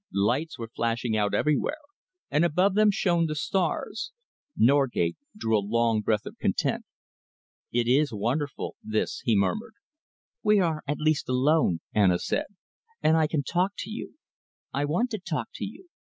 Lights were flashing out everywhere, and above them shone the stars. Norgate drew a long breath of content. "It is wonderful, this," he murmured. "We are at least alone," Anna said, "and I can talk to you. I want to talk to you.